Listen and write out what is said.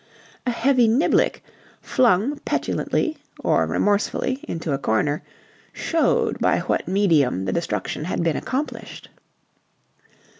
A heavy niblick, flung petulantly or remorsefully into a corner, showed by what medium the destruction had been accomplished.